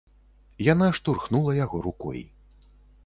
Яна штурхнула яго рукой.